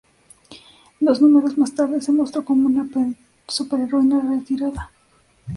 Dos números más tarde, se mostró como una superheroína retirada.